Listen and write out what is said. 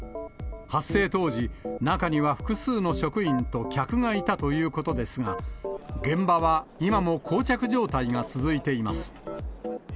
発生当時、中には複数の職員と客がいたということですが、現場は今もこう着状態が続いています。